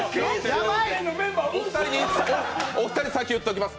お二人、先に言っておきます